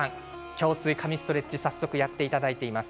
胸椎神ストレッチ早速やっていただいています。